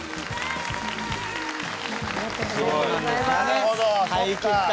なるほどそっか。